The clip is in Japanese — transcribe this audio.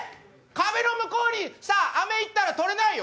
壁の向こうに飴いったら取れないよ。